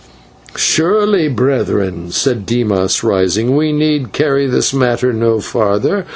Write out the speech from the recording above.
"Surely, brethren," said Dimas, rising, "we need carry this matter no further.